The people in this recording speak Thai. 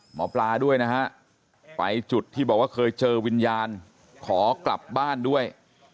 หมอปลาด้วยนะฮะไปจุดที่บอกว่าเคยเจอวิญญาณขอกลับบ้านด้วย